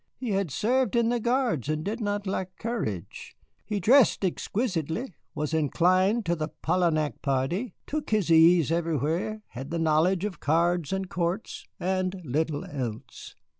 He had served in the Guards, and did not lack courage. He dressed exquisitely, was inclined to the Polignac party, took his ease everywhere, had a knowledge of cards and courts, and little else.